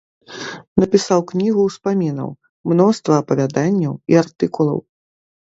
Напісаў кнігу ўспамінаў, мноства апавяданняў і артыкулаў.